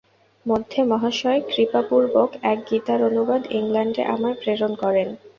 মধ্যে মহাশয় কৃপাপূর্বক এক গীতার অনুবাদ ইংলণ্ডে আমায় প্রেরণ করেন।